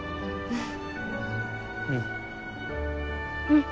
うん。